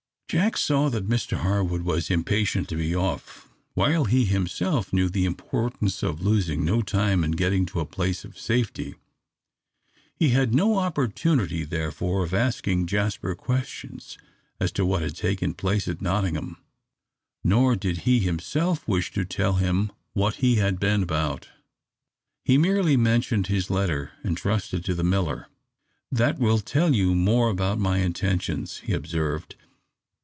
Jack saw that Mr Harwood was impatient to be off, while he himself knew the importance of losing no time in getting to a place of safety; he had no opportunity, therefore, of asking Jasper questions as to what had taken place at Nottingham, nor did he himself wish to tell him what he had been about. He merely mentioned his letter entrusted to the miller. "That will tell you more about my intentions," he observed.